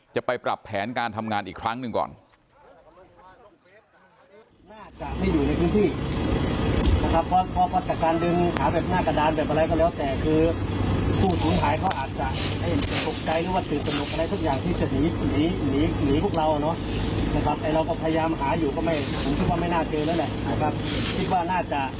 จะไปปรับแผนการทำงานอีกครั้งหนึ่งก่อน